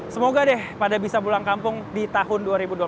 semoga deh pada bisa pulang kampung di tahun dua ribu dua puluh satu